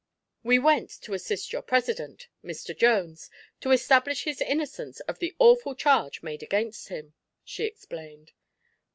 "We went to assist your president Mr. Jones to establish his innocence of the awful charge made against him," she explained.